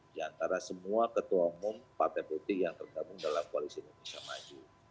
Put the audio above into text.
diantara semua ketua umum pak peputi yang tergabung dalam koalisi indonesia maju